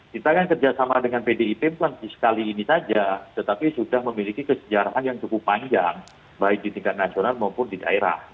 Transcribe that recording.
kita kan kerjasama dengan pdip sekali ini saja tetapi sudah memiliki kesejarahan yang cukup panjang baik di tingkat nasional maupun di daerah